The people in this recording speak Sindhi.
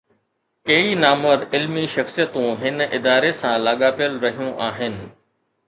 ڪيئي نامور علمي شخصيتون هن اداري سان لاڳاپيل رهيون آهن.